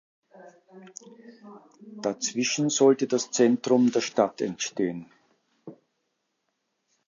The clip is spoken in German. Dazwischen sollte das Zentrum der Stadt entstehen.